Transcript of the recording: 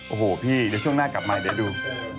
โอ้โหพี่เดี๋ยวช่วงหน้ากลับมาเดี๋ยวดู